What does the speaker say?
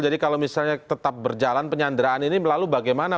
jadi kalau misalnya tetap berjalan penyanderaan ini melalui bagaimana